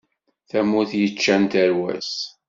Tamurt yeččan tarwa-s.